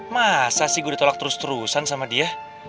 masa sih gue ditolak terus terusan sama dia